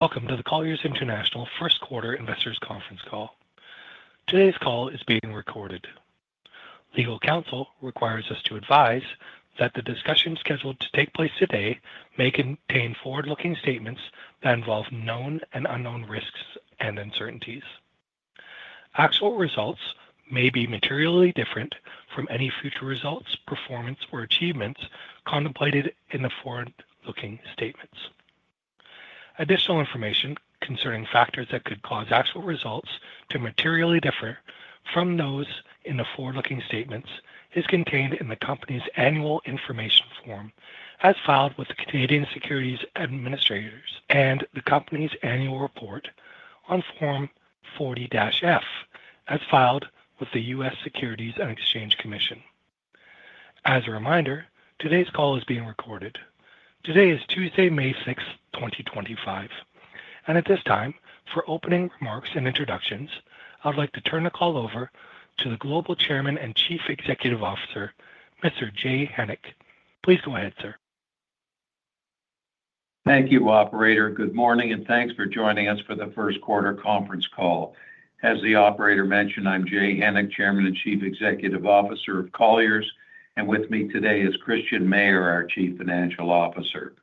Welcome to the Colliers International first quarter investors' conference call. Today's call is being recorded. Legal counsel requires us to advise that the discussion scheduled to take place today may contain forward-looking statements that involve known and unknown risks and uncertainties. Actual results may be materially different from any future results, performance, or achievements contemplated in the forward-looking statements. Additional information concerning factors that could cause actual results to materially differ from those in the forward-looking statements is contained in the company's annual information form as filed with the Canadian Securities Administrators and the company's annual report on Form 40-F as filed with the U.S. Securities and Exchange Commission. As a reminder, today's call is being recorded. Today is Tuesday, May 6th, 2025. At this time, for opening remarks and introductions, I would like to turn the call over to the Global Chairman and Chief Executive Officer, Mr. Jay Hennick. Please go ahead, sir. Thank you, Operator. Good morning, and thanks for joining us for the first quarter conference call. As the Operator mentioned, I'm Jay Hennick, Chairman and Chief Executive Officer of Colliers, and with me today is Christian Mayer, our Chief Financial Officer.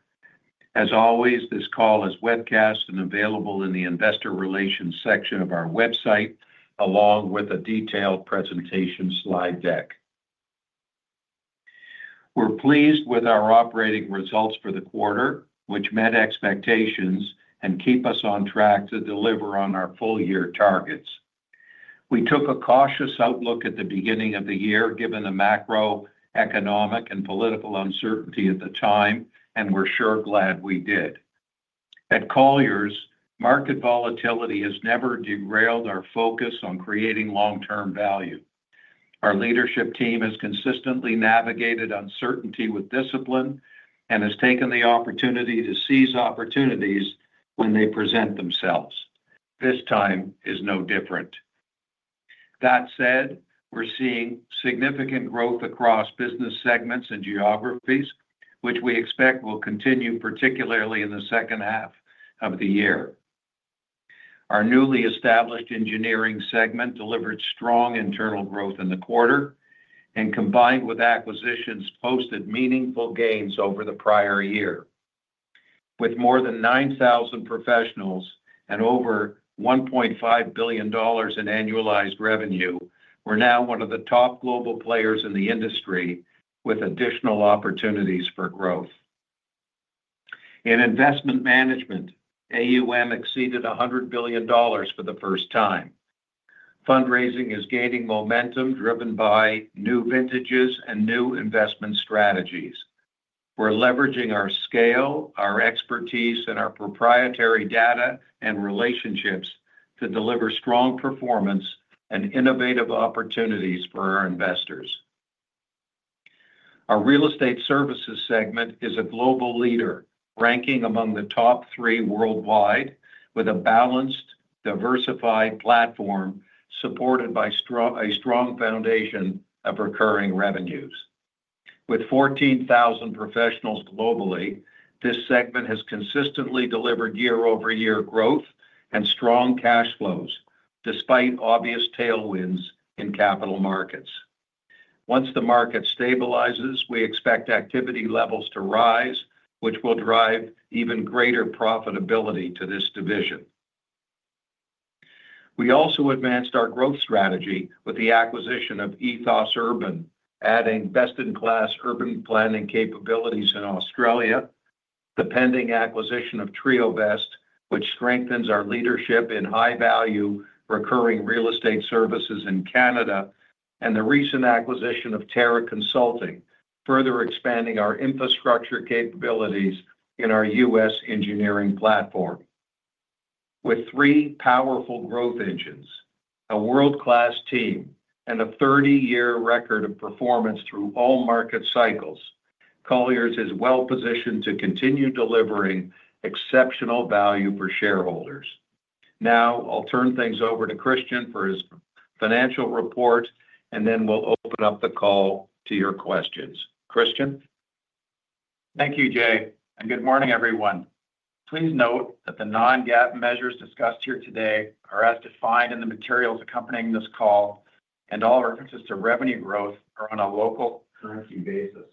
As always, this call is webcast and available in the investor relations section of our website, along with a detailed presentation slide deck. We're pleased with our operating results for the quarter, which met expectations, and keep us on track to deliver on our full-year targets. We took a cautious outlook at the beginning of the year, given the macroeconomic and political uncertainty at the time, and we're sure glad we did. At Colliers, market volatility has never derailed our focus on creating long-term value. Our leadership team has consistently navigated uncertainty with discipline and has taken the opportunity to seize opportunities when they present themselves. This time is no different. That said, we're seeing significant growth across business segments and geographies, which we expect will continue, particularly in the second half of the year. Our newly established engineering segment delivered strong internal growth in the quarter and, combined with acquisitions, posted meaningful gains over the prior year. With more than 9,000 professionals and over $1.5 billion in annualized revenue, we're now one of the top global players in the industry with additional opportunities for growth. In investment management, AUM exceeded $100 billion for the first time. Fundraising is gaining momentum, driven by new vintages and new investment strategies. We're leveraging our scale, our expertise, and our proprietary data and relationships to deliver strong performance and innovative opportunities for our investors. Our real estate services segment is a global leader, ranking among the top three worldwide with a balanced, diversified platform supported by a strong foundation of recurring revenues. With 14,000 professionals globally, this segment has consistently delivered year-over-year growth and strong cash flows, despite obvious tailwinds in capital markets. Once the market stabilizes, we expect activity levels to rise, which will drive even greater profitability to this division. We also advanced our growth strategy with the acquisition of Ethos Urban, adding best-in-class urban planning capabilities in Australia, the pending acquisition of Triovest, which strengthens our leadership in high-value recurring real estate services in Canada, and the recent acquisition of Terra Consulting, further expanding our infrastructure capabilities in our U.S. engineering platform. With three powerful growth engines, a world-class team, and a 30-year record of performance through all market cycles, Colliers is well-positioned to continue delivering exceptional value for shareholders. Now, I'll turn things over to Christian for his financial report, and then we'll open up the call to your questions. Christian? Thank you, Jay, and good morning, everyone. Please note that the non-GAAP measures discussed here today are as defined in the materials accompanying this call, and all references to revenue growth are on a local currency basis.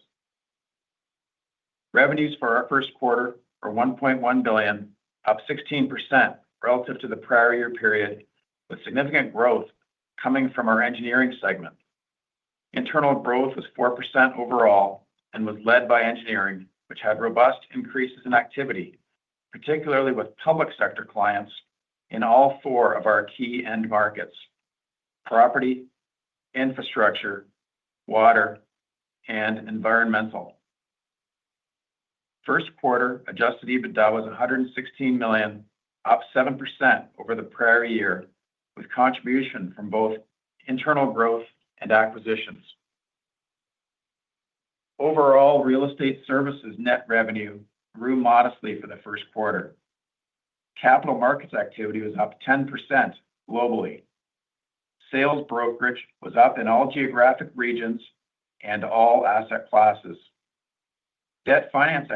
Revenues for our first quarter are $1.1 billion, up 16% relative to the prior year period, with significant growth coming from our engineering segment. Internal growth was 4% overall and was led by engineering, which had robust increases in activity, particularly with public sector clients in all four of our key end markets: property, infrastructure, water, and environmental. First quarter adjusted EBITDA was $116 million, up 7% over the prior year, with contribution from both internal growth and acquisitions. Overall, real estate services net revenue grew modestly for the first quarter. Capital markets activity was up 10% globally. Sales brokerage was up in all geographic regions and all asset classes. Debt finance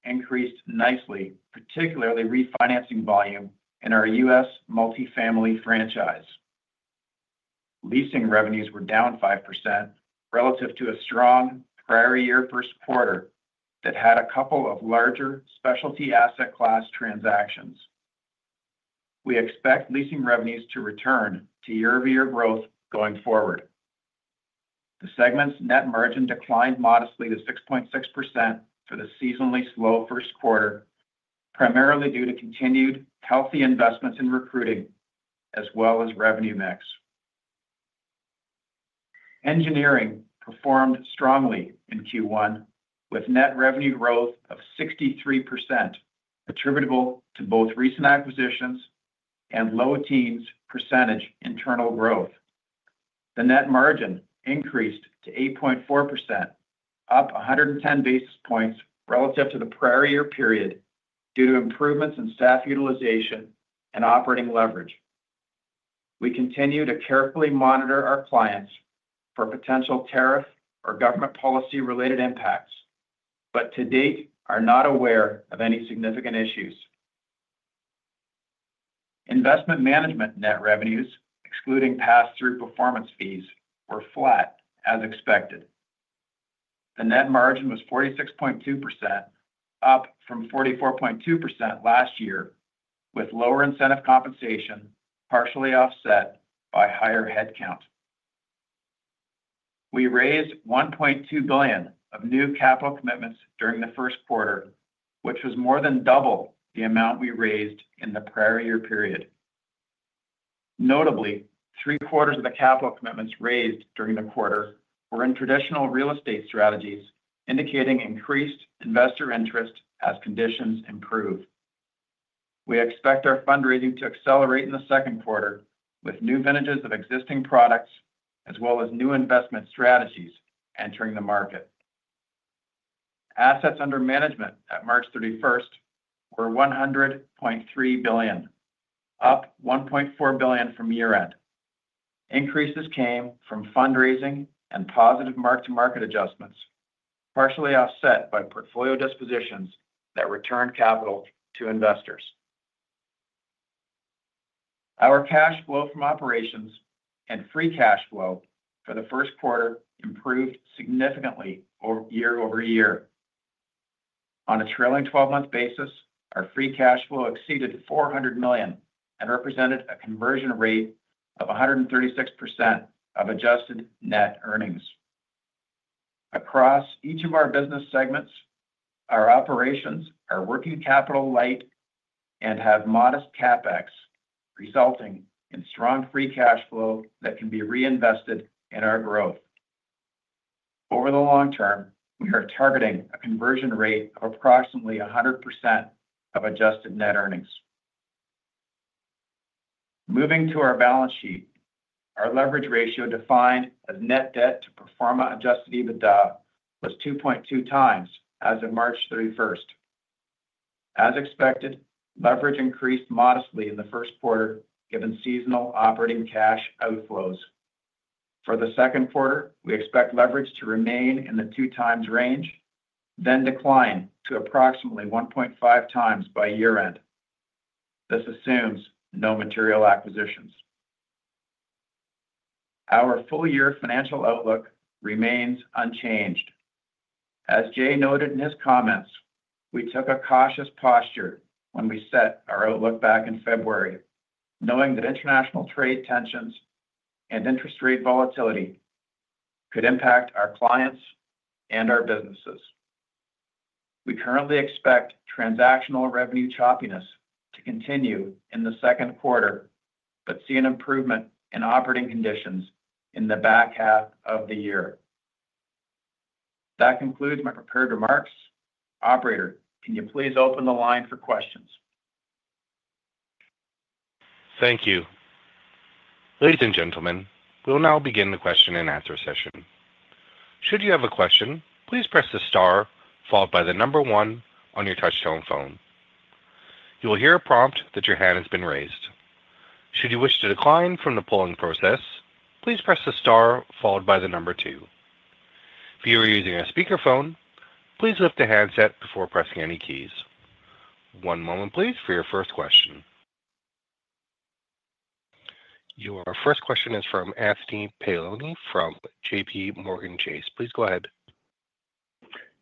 activity increased nicely, particularly refinancing volume in our U.S. multifamily franchise. Leasing revenues were down 5% relative to a strong prior year first quarter that had a couple of larger specialty asset class transactions. We expect leasing revenues to return to year-over-year growth going forward. The segment's net margin declined modestly to 6.6% for the seasonally slow first quarter, primarily due to continued healthy investments in recruiting as well as revenue mix. Engineering performed strongly in Q1, with net revenue growth of 63%, attributable to both recent acquisitions and low teens percentage internal growth. The net margin increased to 8.4%, up 110 basis points relative to the prior year period due to improvements in staff utilization and operating leverage. We continue to carefully monitor our clients for potential tariff or government policy-related impacts, but to date, are not aware of any significant issues. Investment management net revenues, excluding pass-through performance fees, were flat as expected. The net margin was 46.2%, up from 44.2% last year, with lower incentive compensation partially offset by higher headcount. We raised $1.2 billion of new capital commitments during the first quarter, which was more than double the amount we raised in the prior year period. Notably, 3/4 of the capital commitments raised during the quarter were in traditional real estate strategies, indicating increased investor interest as conditions improve. We expect our fundraising to accelerate in the second quarter, with new vintages of existing products as well as new investment strategies entering the market. Assets under management at March 31st were $100.3 billion, up $1.4 billion from year-end. Increases came from fundraising and positive mark-to-market adjustments, partially offset by portfolio dispositions that returned capital to investors. Our cash flow from operations and free cash flow for the first quarter improved significantly year-over-year. On a trailing 12-month basis, our free cash flow exceeded $400 million and represented a conversion rate of 136% of adjusted net earnings. Across each of our business segments, our operations are working capital light and have modest CapEx, resulting in strong free cash flow that can be reinvested in our growth. Over the long term, we are targeting a conversion rate of approximately 100% of adjusted net earnings. Moving to our balance sheet, our leverage ratio defined as net debt to pro forma adjusted EBITDA was 2.2x as of March 31st. As expected, leverage increased modestly in the first quarter, given seasonal operating cash outflows. For the second quarter, we expect leverage to remain in the 2x range, then decline to approximately 1.5x by year-end. This assumes no material acquisitions. Our full-year financial outlook remains unchanged. As Jay noted in his comments, we took a cautious posture when we set our outlook back in February, knowing that international trade tensions and interest rate volatility could impact our clients and our businesses. We currently expect transactional revenue choppiness to continue in the second quarter but see an improvement in operating conditions in the back half of the year. That concludes my prepared remarks. Operator, can you please open the line for questions? Thank you. Ladies and gentlemen, we'll now begin the question-and-answer session. Should you have a question, please press the star followed by the number one on your touch-tone phone. You will hear a prompt that your hand has been raised. Should you wish to decline from the polling process, please press the star followed by the number two. If you are using a speakerphone, please lift the handset before pressing any keys. One moment, please, for your first question. Your first question is from Anthony Paolone from JPMorgan Chase. Please go ahead.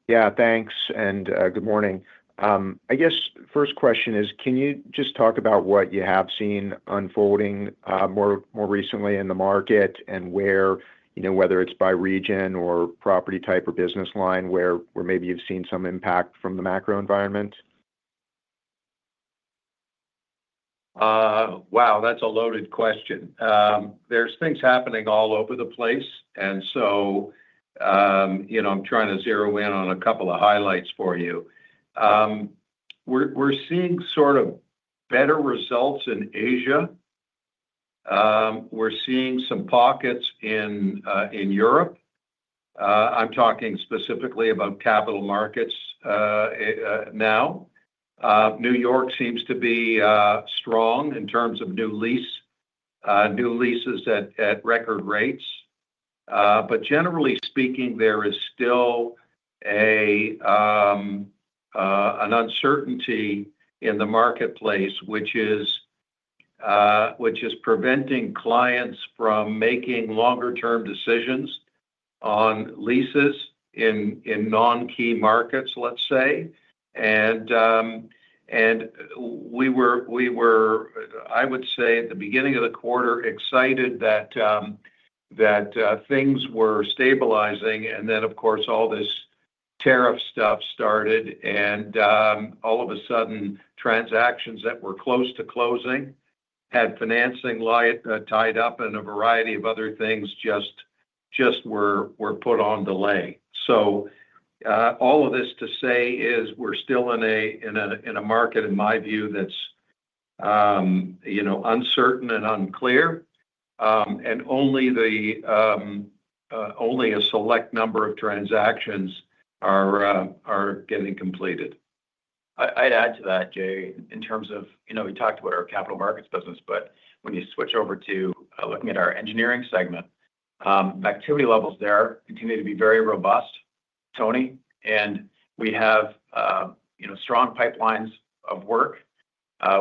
Yeah, thanks, and good morning. I guess first question is, can you just talk about what you have seen unfolding more recently in the market and where, whether it's by region or property type or business line, where maybe you've seen some impact from the macro environment? Wow, that's a loaded question. There's things happening all over the place, and so I'm trying to zero in on a couple of highlights for you. We're seeing sort of better results in Asia. We're seeing some pockets in Europe. I'm talking specifically about capital markets now. New York seems to be strong in terms of new leases, new leases at record rates. Generally speaking, there is still an uncertainty in the marketplace, which is preventing clients from making longer-term decisions on leases in non-key markets, let's say. We were, I would say, at the beginning of the quarter, excited that things were stabilizing. Of course, all this tariff stuff started, and all of a sudden, transactions that were close to closing had financing tied up, and a variety of other things just were put on delay. All of this to say is we're still in a market, in my view, that's uncertain and unclear, and only a select number of transactions are getting completed. I'd add to that, Jay, in terms of we talked about our capital markets business, but when you switch over to looking at our engineering segment, activity levels there continue to be very robust, Tony, and we have strong pipelines of work.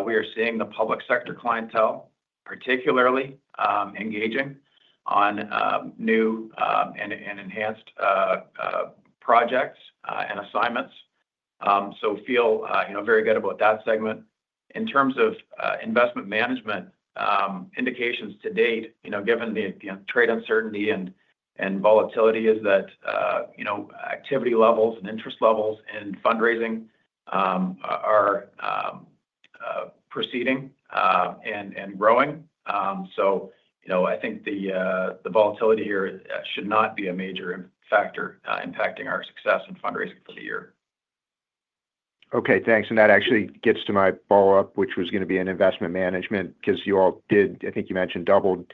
We are seeing the public sector clientele particularly engaging on new and enhanced projects and assignments. I feel very good about that segment. In terms of investment management indications to date, given the trade uncertainty and volatility, is that activity levels and interest levels in fundraising are proceeding and growing. I think the volatility here should not be a major factor impacting our success in fundraising for the year. Okay, thanks. That actually gets to my follow-up, which was going to be in investment management, because you all did, I think you mentioned, double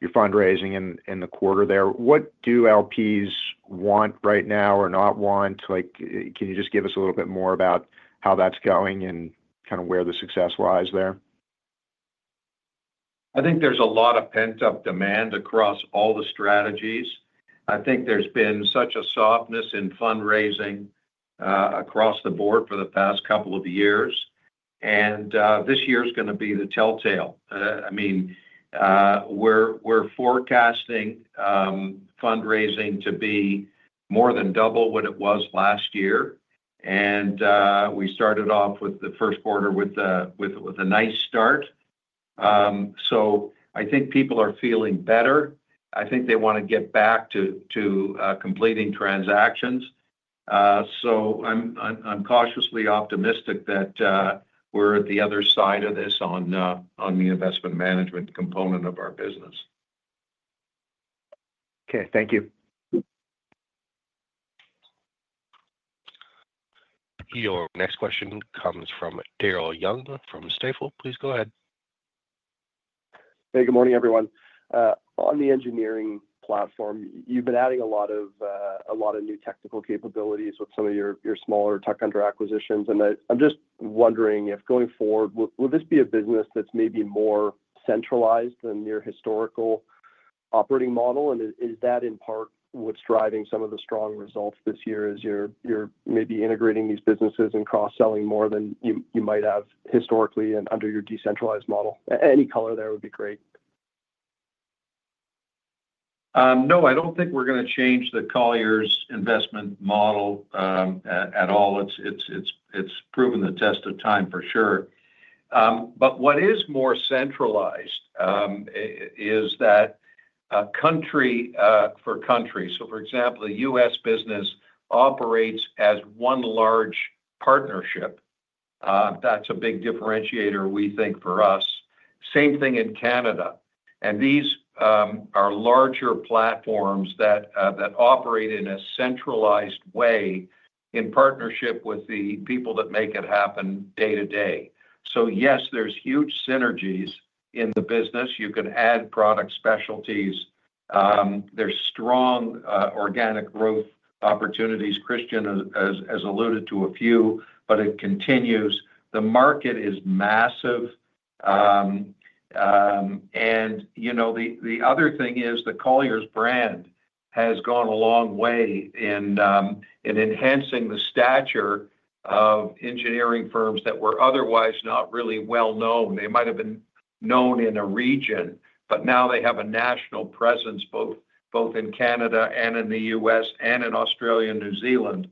your fundraising in the quarter there. What do LPs want right now or not want? Can you just give us a little bit more about how that's going and kind of where the success lies there? I think there's a lot of pent-up demand across all the strategies. I think there's been such a softness in fundraising across the board for the past couple of years, and this year is going to be the telltale. I mean, we're forecasting fundraising to be more than double what it was last year, and we started off with the first quarter with a nice start. I think people are feeling better. I think they want to get back to completing transactions. I am cautiously optimistic that we're at the other side of this on the investment management component of our business. Okay, thank you. Your next question comes from Daryl Young from Stifel. Please go ahead. Hey, good morning, everyone. On the engineering platform, you've been adding a lot of new technical capabilities with some of your smaller tuck-under acquisitions. I'm just wondering if going forward, will this be a business that's maybe more centralized than your historical operating model? Is that in part what's driving some of the strong results this year? Is you're maybe integrating these businesses and cross-selling more than you might have historically and under your decentralized model? Any color there would be great. No, I don't think we're going to change the Colliers investment model at all. It's proven the test of time, for sure. What is more centralized is that country for country. For example, the U.S. business operates as one large partnership. That's a big differentiator, we think, for us. Same thing in Canada. These are larger platforms that operate in a centralized way in partnership with the people that make it happen day to day. Yes, there's huge synergies in the business. You can add product specialties. There's strong organic growth opportunities. Christian has alluded to a few, but it continues. The market is massive. The other thing is the Colliers brand has gone a long way in enhancing the stature of engineering firms that were otherwise not really well-known. They might have been known in a region, but now they have a national presence both in Canada and in the U.S. and in Australia and New Zealand.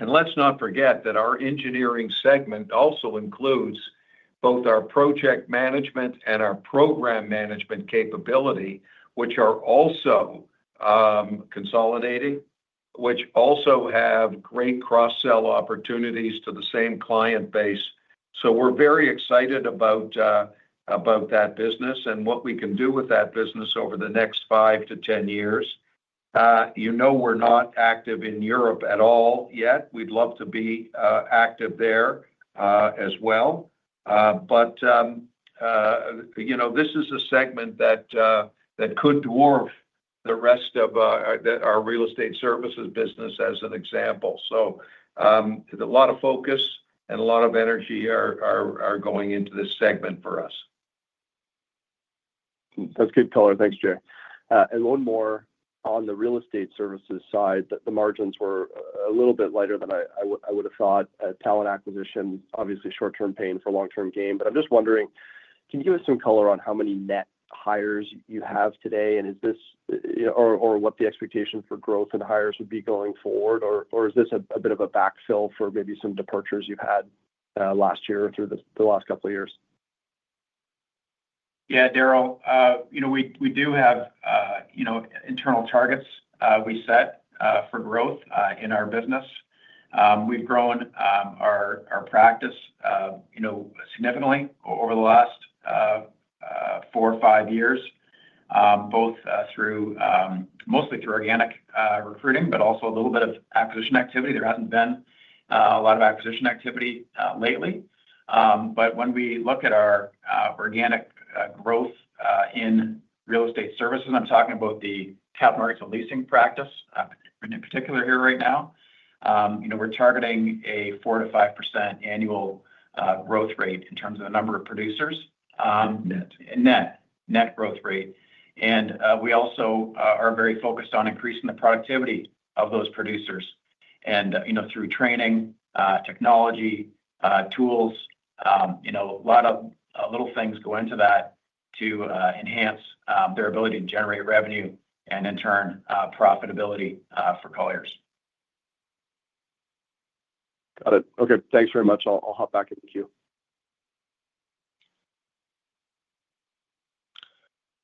Let's not forget that our engineering segment also includes both our project management and our program management capability, which are also consolidating, which also have great cross-sell opportunities to the same client base. We are very excited about that business and what we can do with that business over the next 5-10 years. We are not active in Europe at all yet. We would love to be active there as well. This is a segment that could dwarf the rest of our real estate services business, as an example. A lot of focus and a lot of energy are going into this segment for us. That's good color. Thanks, Jay. One more on the real estate services side, the margins were a little bit lighter than I would have thought. Talent acquisition, obviously, short-term pain for long-term gain. I'm just wondering, can you give us some color on how many net hires you have today, and what the expectation for growth and hires would be going forward, or is this a bit of a backfill for maybe some departures you've had last year or through the last couple of years? Yeah, Daryl, we do have internal targets we set for growth in our business. We've grown our practice significantly over the last four or five years, both mostly through organic recruiting, but also a little bit of acquisition activity. There hasn't been a lot of acquisition activity lately. When we look at our organic growth in real estate services, I'm talking about the [Cap Mark and] Leasing practice in particular here right now. We're targeting a 4-5% annual growth rate in terms of the number of producers, net growth rate. We also are very focused on increasing the productivity of those producers through training, technology, tools. A lot of little things go into that to enhance their ability to generate revenue and, in turn, profitability for Colliers. Got it. Okay, thanks very much. I'll hop back in the queue.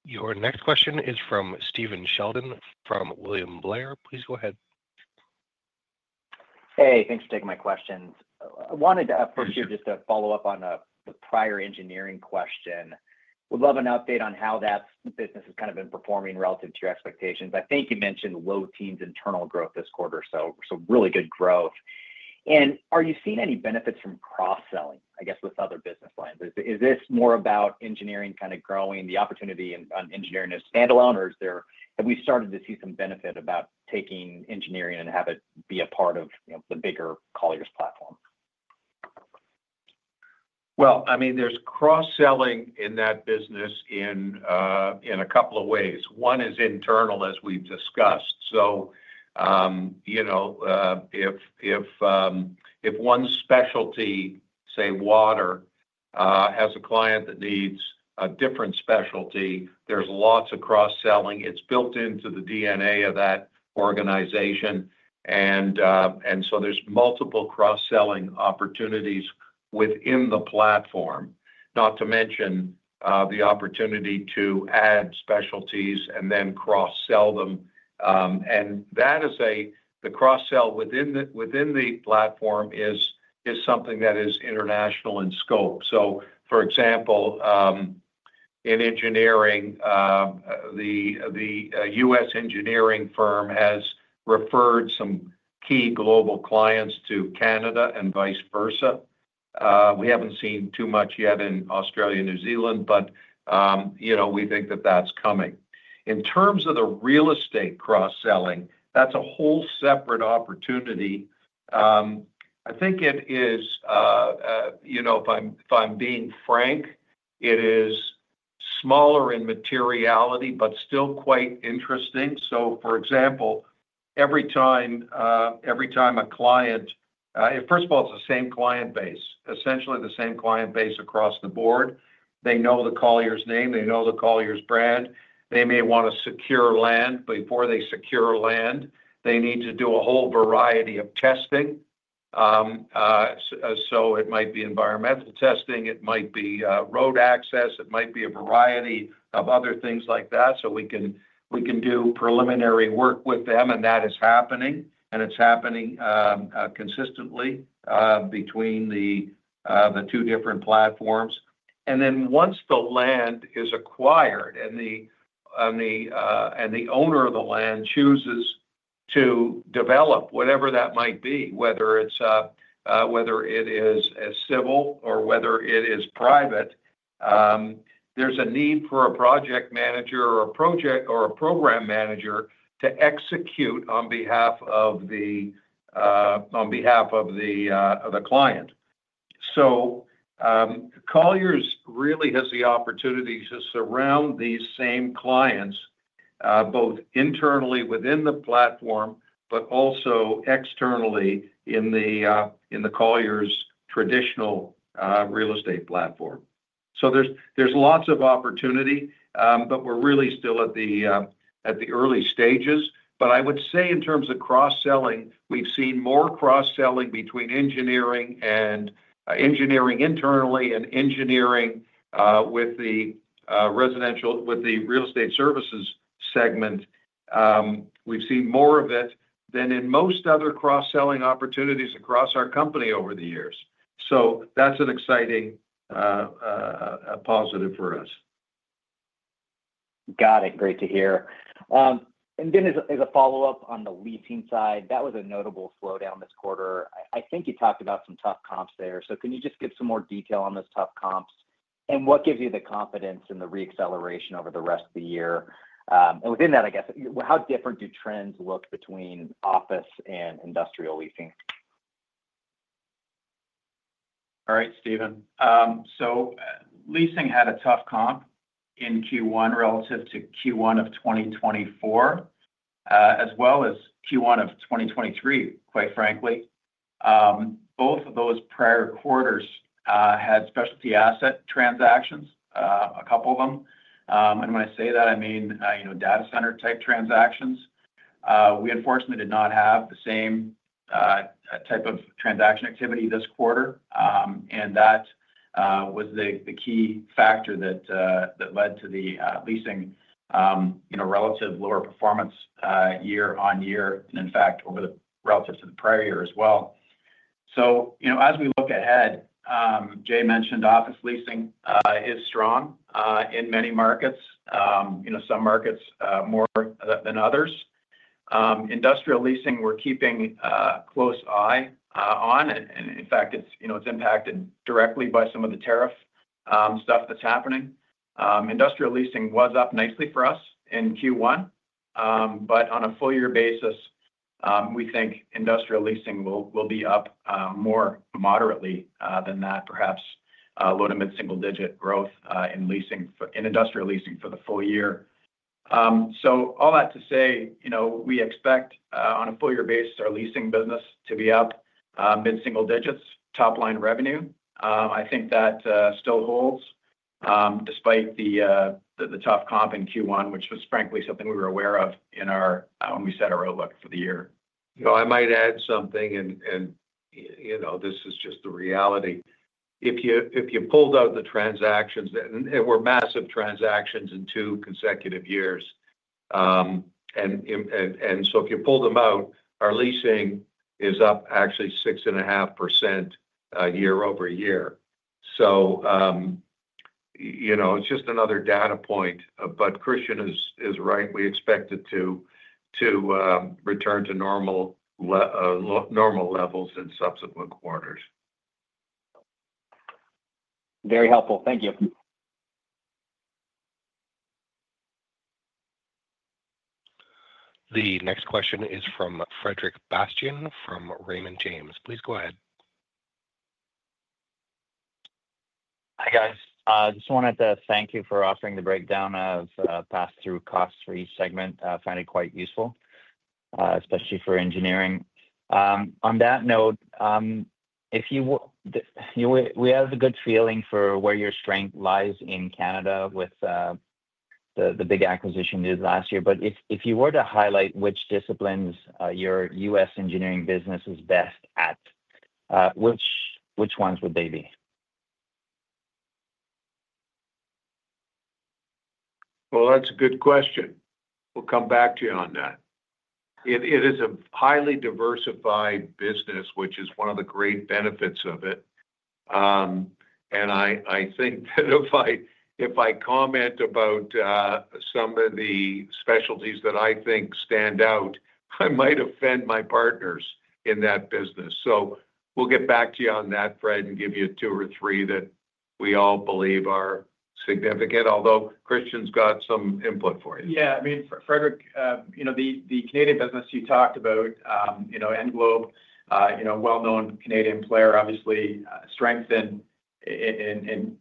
Your next question is from Stephen Sheldon from William Blair. Please go ahead. Hey, thanks for taking my questions. I wanted to first here just to follow up on the prior engineering question. Would love an update on how that business has kind of been performing relative to your expectations. I think you mentioned low teens internal growth this quarter, so really good growth. Are you seeing any benefits from cross-selling, I guess, with other business lines? Is this more about engineering kind of growing the opportunity on engineering as standalone, or have we started to see some benefit about taking engineering and have it be a part of the bigger Colliers platform? I mean, there's cross-selling in that business in a couple of ways. One is internal, as we've discussed. If one specialty, say water, has a client that needs a different specialty, there's lots of cross-selling. It's built into the DNA of that organization. There are multiple cross-selling opportunities within the platform, not to mention the opportunity to add specialties and then cross-sell them. The cross-sell within the platform is something that is international in scope. For example, in engineering, the U.S. engineering firm has referred some key global clients to Canada and vice versa. We haven't seen too much yet in Australia and New Zealand, but we think that that's coming. In terms of the real estate cross-selling, that's a whole separate opportunity. I think it is, if I'm being frank, it is smaller in materiality, but still quite interesting. For example, every time a client, first of all, it's the same client base, essentially the same client base across the board. They know the Colliers name. They know the Colliers brand. They may want to secure land. Before they secure land, they need to do a whole variety of testing. It might be environmental testing. It might be road access. It might be a variety of other things like that. We can do preliminary work with them, and that is happening, and it's happening consistently between the two different platforms. Once the land is acquired and the owner of the land chooses to develop whatever that might be, whether it is civil or whether it is private, there's a need for a project manager or a project or a program manager to execute on behalf of the client. Colliers really has the opportunity to surround these same clients both internally within the platform, but also externally in the Colliers traditional real estate platform. There is lots of opportunity, but we're really still at the early stages. I would say in terms of cross-selling, we've seen more cross-selling between engineering internally and engineering with the real estate services segment. We've seen more of it than in most other cross-selling opportunities across our company over the years. That is an exciting positive for us. Got it. Great to hear. As a follow-up on the leasing side, that was a notable slowdown this quarter. I think you talked about some tough comps there. Can you just give some more detail on those tough comps and what gives you the confidence in the reacceleration over the rest of the year? Within that, I guess, how different do trends look between office and industrial leasing? All right, Stephen. Leasing had a tough comp in Q1 relative to Q1 of 2024, as well as Q1 of 2023, quite frankly. Both of those prior quarters had specialty asset transactions, a couple of them. And when I say that, I mean data center type transactions. We, unfortunately, did not have the same type of transaction activity this quarter, and that was the key factor that led to the leasing relative lower performance year on year, and in fact, relative to the prior year as well. As we look ahead, Jay mentioned office leasing is strong in many markets, some markets more than others. Industrial leasing, we're keeping a close eye on. In fact, it's impacted directly by some of the tariff stuff that's happening. Industrial leasing was up nicely for us in Q1, but on a full-year basis, we think industrial leasing will be up more moderately than that, perhaps low to mid-single-digit growth in industrial leasing for the full year. All that to say, we expect on a full-year basis, our leasing business to be up mid-single-digits, top-line revenue. I think that still holds despite the tough comp in Q1, which was frankly something we were aware of when we set our road look for the year. I might add something, and this is just the reality. If you pulled out the transactions, and they were massive transactions in two consecutive years. If you pull them out, our leasing is up actually 6.5% year-over-year. It is just another data point. Christian is right. We expect it to return to normal levels in subsequent quarters. Very helpful. Thank you. The next question is from Frederic Bastien from Raymond James. Please go ahead. Hi guys. I just wanted to thank you for offering the breakdown of pass-through costs for each segment. I find it quite useful, especially for engineering. On that note, we have a good feeling for where your strength lies in Canada with the big acquisition you did last year. If you were to highlight which disciplines your U.S. engineering business is best at, which ones would they be? That's a good question. We'll come back to you on that. It is a highly diversified business, which is one of the great benefits of it. I think that if I comment about some of the specialties that I think stand out, I might offend my partners in that business. We'll get back to you on that, Fred, and give you two or three that we all believe are significant, although Christian's got some input for you. Yeah. I mean, Frederic, the Canadian business you talked about, Englobe, a well-known Canadian player, obviously strengthened in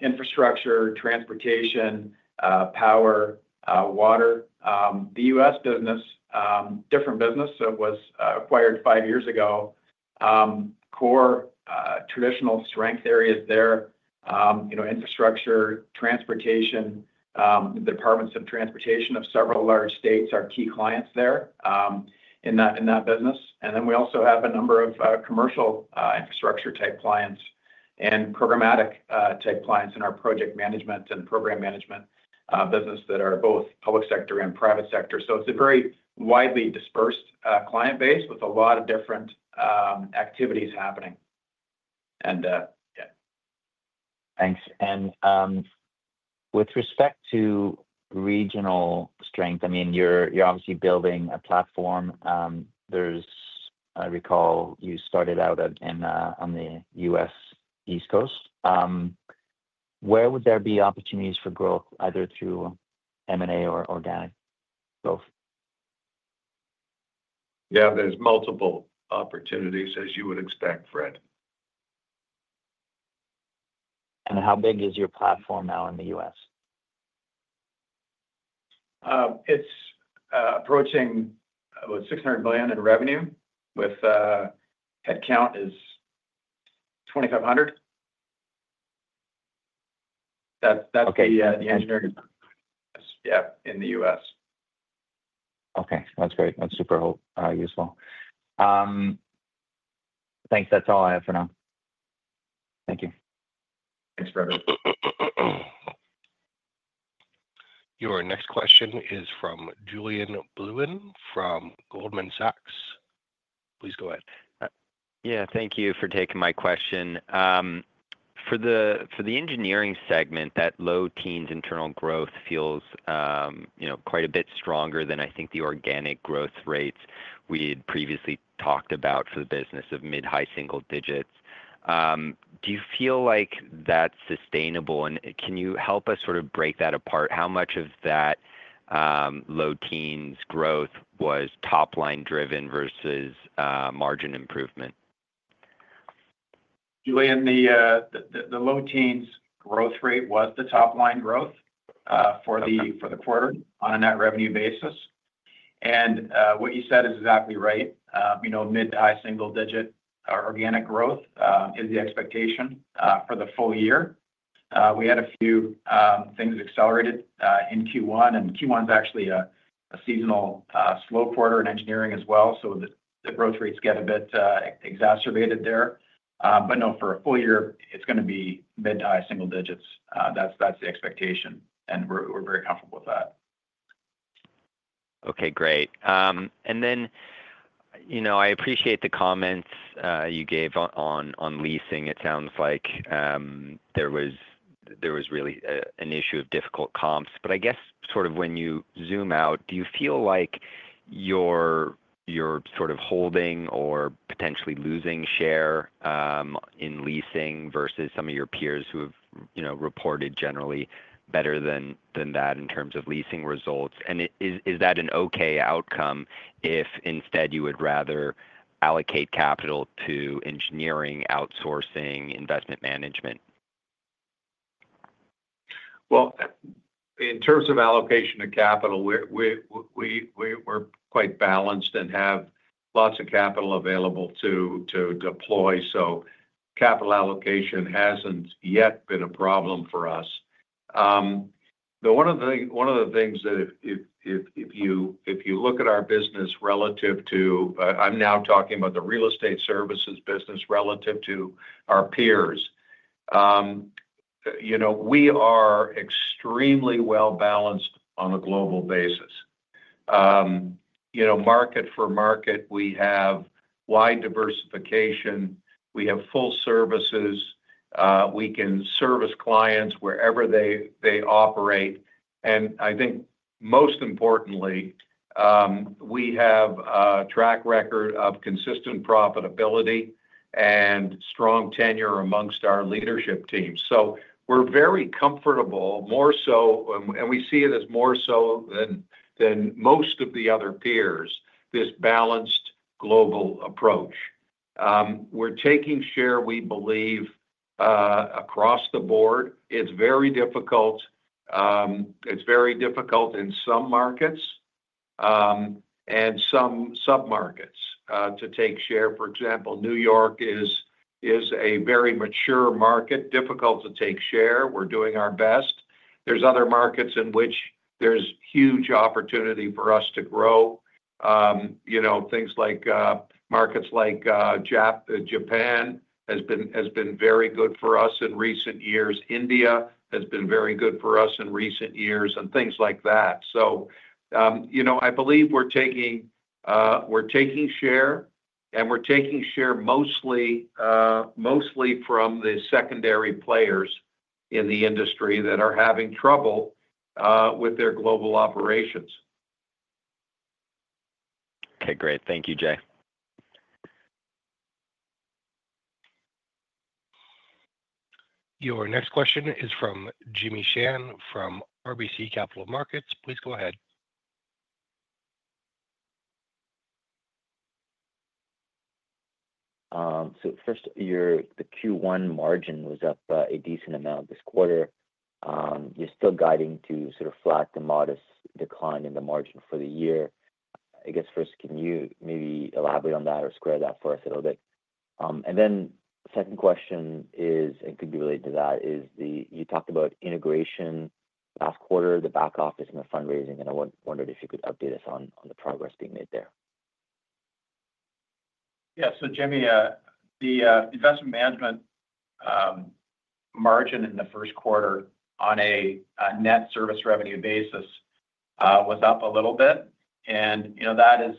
infrastructure, transportation, power, water. The U.S. business, different business, so it was acquired five years ago. Core traditional strength areas there, infrastructure, transportation, the departments of transportation of several large states are key clients there in that business. We also have a number of commercial infrastructure type clients and programmatic type clients in our project management and program management business that are both public sector and private sector. It is a very widely dispersed client base with a lot of different activities happening. Yeah. Thanks. With respect to regional strength, I mean, you're obviously building a platform. I recall you started out on the U.S. East Coast. Where would there be opportunities for growth, either through M&A or organic growth? Yeah, there's multiple opportunities, as you would expect, Fred. How big is your platform now in the U.S.? It's approaching about $600 million in revenue, with headcount is 2,500. That's? Yeah, in the U.S. Okay. That's great. That's super helpful. Useful. Thanks. That's all I have for now. Thank you. Thanks, Frederick. Your next question is from Julien Blouin from Goldman Sachs. Please go ahead. Yeah. Thank you for taking my question. For the engineering segment, that low teen internal growth feels quite a bit stronger than I think the organic growth rates we had previously talked about for the business of mid-high single-digits. Do you feel like that's sustainable? Can you help us sort of break that apart? How much of that low teens growth was top-line driven versus margin improvement? Julien, the low teens growth rate was the top-line growth for the quarter on a net revenue basis. What you said is exactly right. Mid-high single-digit organic growth is the expectation for the full year. We had a few things accelerated in Q1, and Q1 is actually a seasonal slow quarter in engineering as well. The growth rates get a bit exacerbated there. No, for a full year, it is going to be mid-high single-digits. that is the expectation, and we are very comfortable with that. Okay. Great. I appreciate the comments you gave on leasing. It sounds like there was really an issue of difficult comps. I guess sort of when you zoom out, do you feel like you're sort of holding or potentially losing share in leasing versus some of your peers who have reported generally better than that in terms of leasing results? Is that an okay outcome if instead you would rather allocate capital to engineering, outsourcing, investment management? In terms of allocation of capital, we're quite balanced and have lots of capital available to deploy. Capital allocation hasn't yet been a problem for us. One of the things that, if you look at our business relative to—I'm now talking about the real estate services business relative to our peers—we are extremely well balanced on a global basis. Market for market, we have wide diversification. We have full services. We can service clients wherever they operate. I think most importantly, we have a track record of consistent profitability and strong tenure amongst our leadership team. We're very comfortable, and we see it as more so than most of the other peers, this balanced global approach. We're taking share, we believe, across the board. It's very difficult. It's very difficult in some markets and some sub-markets to take share. For example, New York is a very mature market, difficult to take share. We're doing our best. There are other markets in which there is huge opportunity for us to grow. Markets like Japan have been very good for us in recent years. India has been very good for us in recent years, and things like that. I believe we're taking share, and we're taking share mostly from the secondary players in the industry that are having trouble with their global operations. Okay. Great. Thank you, Jay. Your next question is from Jimmy Shan from RBC Capital Markets. Please go ahead. First, the Q1 margin was up a decent amount this quarter. You're still guiding to sort of flat to modest decline in the margin for the year. I guess first, can you maybe elaborate on that or square that for us a little bit? Second question is, and could be related to that, you talked about integration last quarter, the back office and the fundraising, and I wondered if you could update us on the progress being made there. Yeah. Jimmy, the investment management margin in the first quarter on a net service revenue basis was up a little bit. That is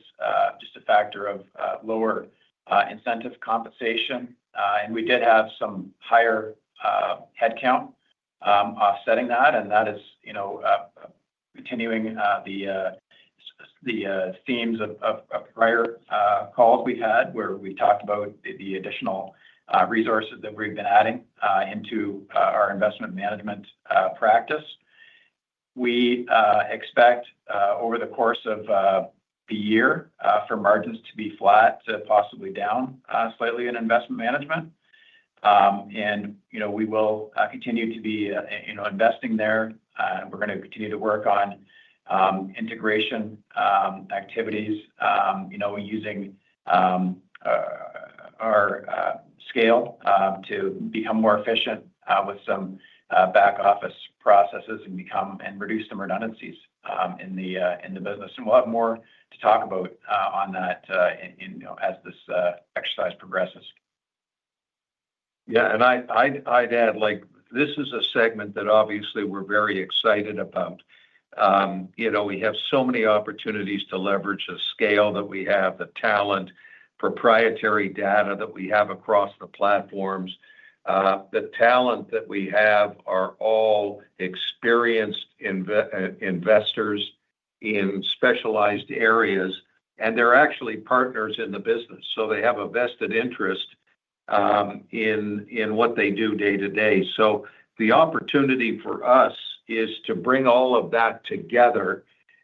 just a factor of lower incentive compensation. We did have some higher headcount offsetting that. That is continuing the themes of prior calls we have had where we have talked about the additional resources that we have been adding into our investment management practice. We expect over the course of [the year] for margins to be flat to possibly down slightly in investment management. We will continue to be investing there. We are going to continue to work on integration activities using our scale to become more efficient with some back office processes and reduce some redundancies in the business. We will have more to talk about on that as this exercise progresses. Yeah. I would add, this is a segment that obviously we are very excited about. We have so many opportunities to leverage the scale that we have, the talent, proprietary data that we have across the platforms. The talent that we have are all experienced investors in specialized areas. They are actually partners in the business, so they have a vested interest in what they do day to day. The opportunity for us is to bring all of that together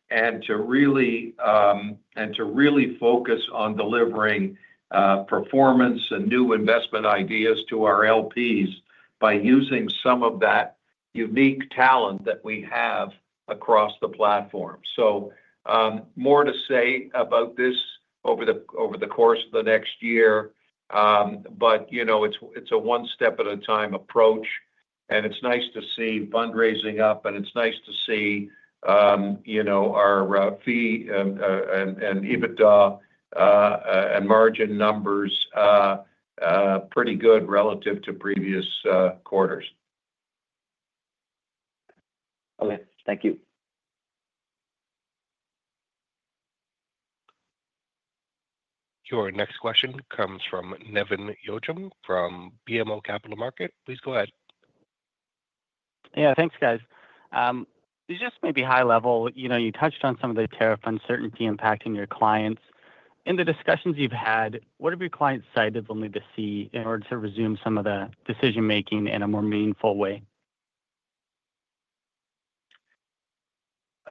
and to really focus on delivering performance and new investment ideas to our LPs by using some of that unique talent that we have across the platform. There will be more to say about this over the course of the next year. It is a one step at a time approach. It is nice to see fundraising up, and it is nice to see our fee and EBITDA and margin numbers pretty good relative to previous quarters. Okay. Thank you. Your next question comes from Nevan Yochim from BMO Capital Markets. Please go ahead. Yeah. Thanks, guys. Just maybe high-level, you touched on some of the tariff uncertainty impacting your clients. In the discussions you've had, what have your clients decided they'll need to see in order to resume some of the decision-making in a more meaningful way?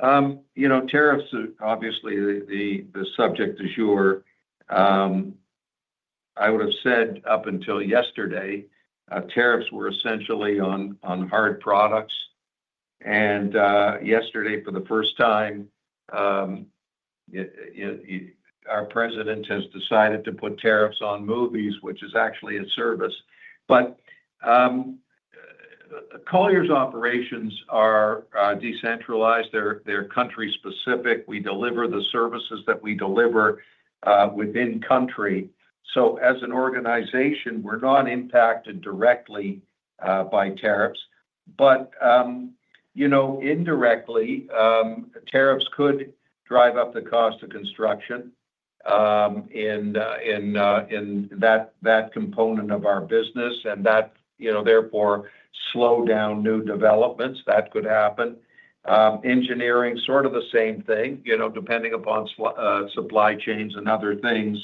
Tariffs, obviously, the subject is yours. I would have said up until yesterday, tariffs were essentially on hard products. Yesterday, for the first time, our president has decided to put tariffs on movies, which is actually a service. Colliers operations are decentralized. They are country-specific. We deliver the services that we deliver within country. As an organization, we are not impacted directly by tariffs. Indirectly, tariffs could drive up the cost of construction in that component of our business and that, therefore, slow down new developments. That could happen. Engineering, sort of the same thing. Depending upon supply chains and other things,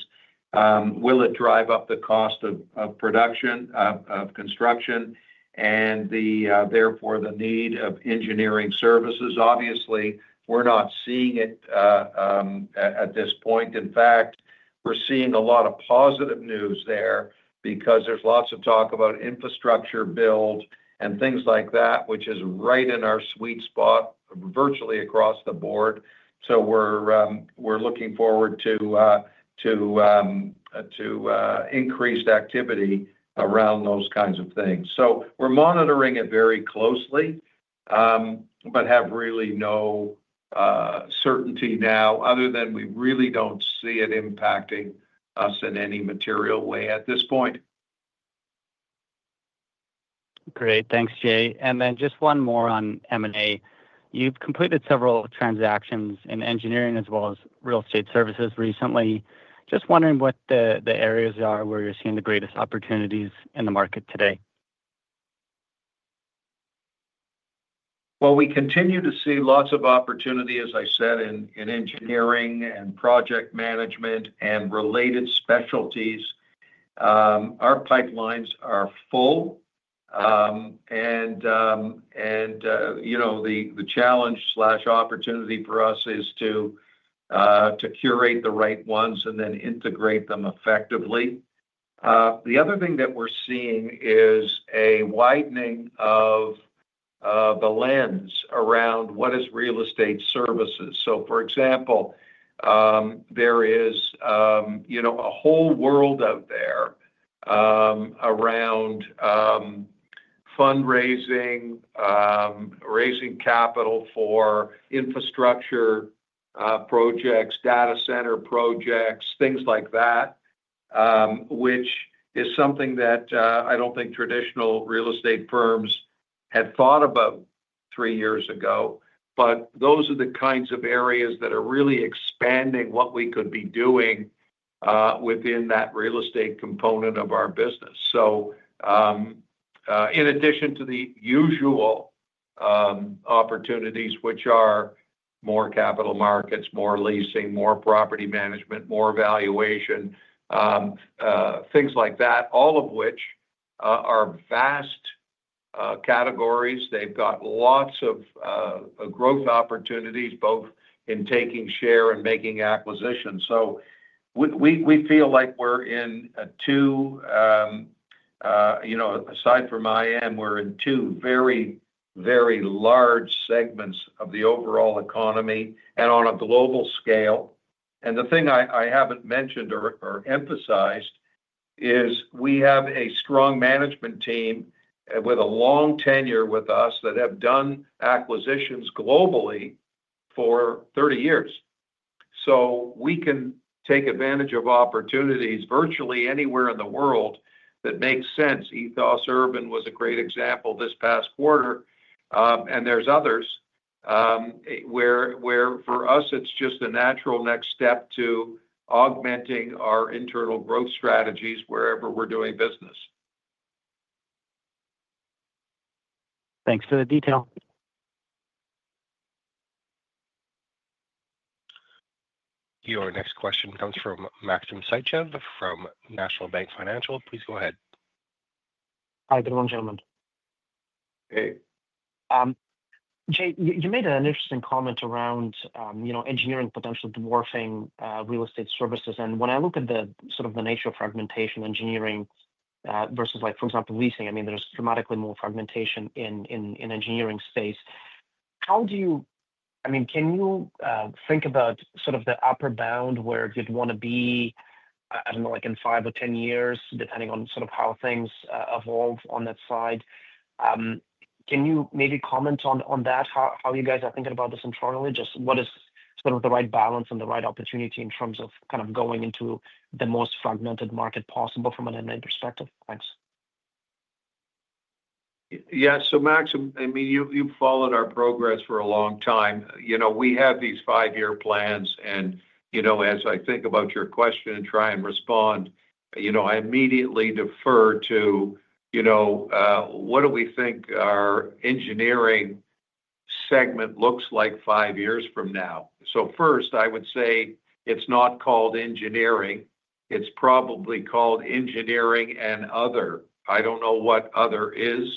will it drive up the cost of production, of construction, and therefore the need of engineering services? Obviously, we are not seeing it at this point. In fact, we're seeing a lot of positive news there because there's lots of talk about infrastructure build and things like that, which is right in our sweet spot virtually across the board. We're looking forward to increased activity around those kinds of things. We're monitoring it very closely but have really no certainty now other than we really don't see it impacting us in any material way at this point. Great. Thanks, Jay. And then just one more on M&A. You've completed several transactions in engineering as well as real estate services recently. Just wondering what the areas are where you're seeing the greatest opportunities in the market today. We continue to see lots of opportunity, as I said, in engineering and project management and related specialties. Our pipelines are full. The challenge/opportunity for us is to curate the right ones and then integrate them effectively. The other thing that we are seeing is a widening of the lens around what is real estate services. For example, there is a whole world out there around fundraising, raising capital for infrastructure projects, data center projects, things like that, which is something that I do not think traditional real estate firms had thought about three years ago. Those are the kinds of areas that are really expanding what we could be doing within that real estate component of our business. In addition to the usual opportunities, which are more capital markets, more leasing, more property management, more valuation, things like that, all of which are vast categories. They've got lots of growth opportunities both in taking share and making acquisitions. We feel like we're in two, aside from IM, we're in two very, very large segments of the overall economy and on a global scale. The thing I haven't mentioned or emphasized is we have a strong management team with a long tenure with us that have done acquisitions globally for 30 years. We can take advantage of opportunities virtually anywhere in the world that makes sense. Ethos Urban was a great example this past quarter. There are others where for us, it's just a natural next step to augmenting our internal growth strategies wherever we're doing business. Thanks for the detail. Your next question comes from Maxim Sytchev from National Bank Financial. Please go ahead. Hi, good morning, gentlemen. Hey. Jay, you made an interesting comment around engineering potentially dwarfing real estate services. When I look at the sort of the nature of fragmentation, engineering versus, for example, leasing, I mean, there is dramatically more fragmentation in the engineering space. How do you—can you think about sort of the upper bound where you would want to be, I do not know, in five or ten years, depending on sort of how things evolve on that side? Can you maybe comment on that, how you guys are thinking about this internally? Just what is sort of the right balance and the right opportunity in terms of kind of going into the most fragmented market possible from an M&A perspective? Thanks. Yeah. So Maxim, I mean, you've followed our progress for a long time. We have these five-year plans. As I think about your question and try and respond, I immediately defer to what do we think our engineering segment looks like five years from now? First, I would say it's not called engineering. It's probably called engineering and other. I don't know what other is,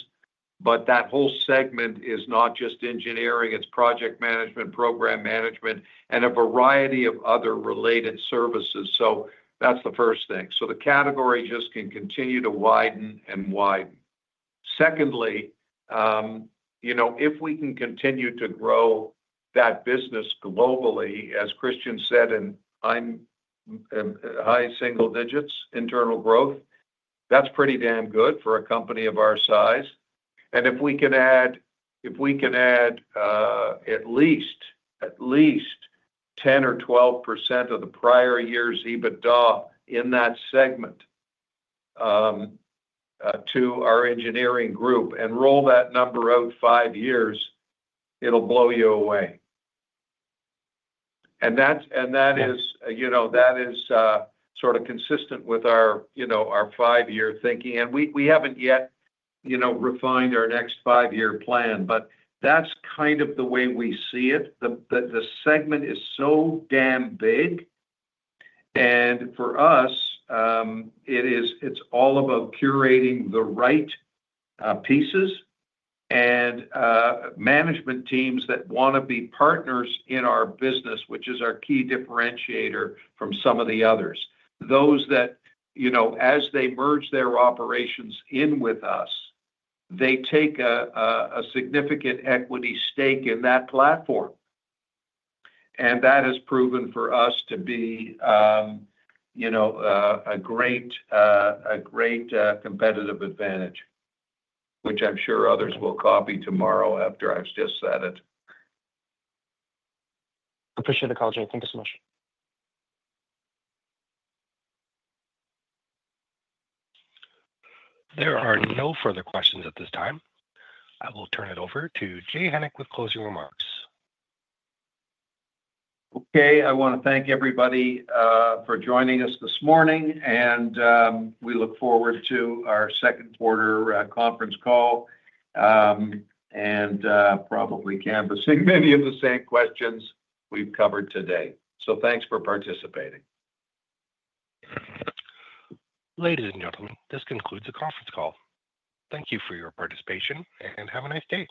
but that whole segment is not just engineering. It's project management, program management, and a variety of other related services. That's the first thing. The category just can continue to widen and widen. Secondly, if we can continue to grow that business globally, as Christian said, and I'm high single-digits internal growth, that's pretty damn good for a company of our size. If we can add at least 10% or 12% of the prior year's EBITDA in that segment to our engineering group and roll that number out five years, it will blow you away. That is sort of consistent with our five-year thinking. We have not yet refined our next five-year plan, but that is kind of the way we see it. The segment is so damn big. For us, it is all about curating the right pieces and management teams that want to be partners in our business, which is our key differentiator from some of the others. Those that, as they merge their operations in with us, take a significant equity stake in that platform. That has proven for us to be a great competitive advantage, which I am sure others will copy tomorrow after I have just said it. Appreciate the call, Jay. Thank you so much. There are no further questions at this time. I will turn it over to Jay Hennick with closing remarks. Okay. I want to thank everybody for joining us this morning. We look forward to our second quarter conference call and probably canvassing many of the same questions we've covered today. Thanks for participating. Ladies and gentlemen, this concludes the conference call. Thank you for your participation and have a nice day.